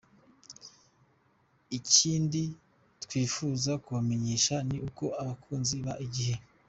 Ikindi twifuza kubamenyesha ni uko abakunzi ba igihe.